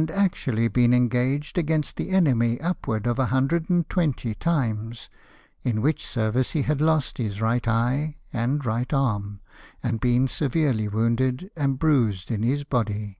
123 actually been engaged against the enemy upwards of a hundred and twenty times ; in which service he had lost his right eye and right arm, and been severely wounded and bruised in his body.